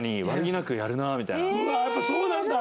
うわーやっぱそうなんだ！